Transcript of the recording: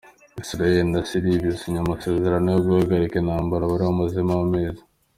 Israel na Syrie basinye amasezerano yo guhagarika intambara bari bamazemo amezi .